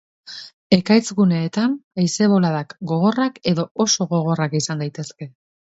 Ekaitz-guneetan haize-boladak gogorrak edo oso gogorrak izan daitezke.